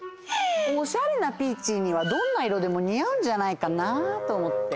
おしゃれなピーチーにはどんないろでもにあうんじゃないかなとおもって。